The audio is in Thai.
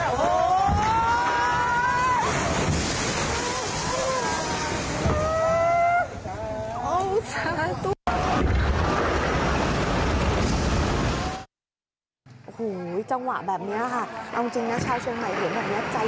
โอ้โหจังหวะแบบนี้ค่ะเอาจริงนะชาวเชียงใหม่เห็นแบบนี้ใจ